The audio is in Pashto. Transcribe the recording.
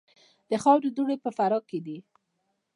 د خاورو دوړې په فراه کې دي